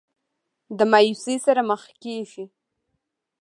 د مايوسۍ سره مخ کيږي